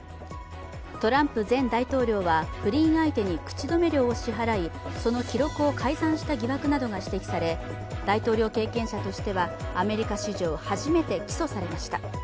トランプ前大統領は不倫相手に口止め料を支払い、その記録を改ざんした疑惑などが指摘され、大統領経験者としてはアメリカ史上初めて起訴されました。